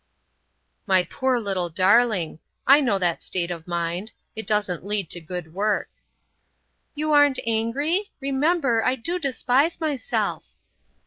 "My poor little darling! I know that state of mind. It doesn't lead to good work." "You aren't angry? Remember, I do despise myself."